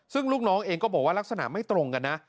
ซึ่งลูกน้องเองก็บอกว่าลักษณะไม่ตรงกันนะ